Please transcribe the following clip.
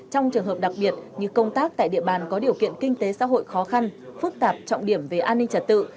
trong trường hợp đặc biệt như công tác tại địa bàn có điều kiện kinh tế xã hội khó khăn phức tạp trọng điểm về an ninh trật tự